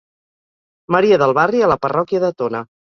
Maria del Barri a la parròquia de Tona.